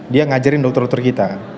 dia ngajarin dokter dokter kita